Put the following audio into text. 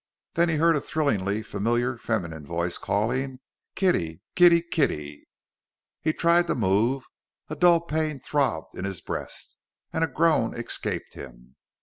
Then he heard a thrillingly familiar feminine voice calling "Kitty, kitty, kitty." He tried to move, a dull pain throbbed in his breast, and a groan escaped him.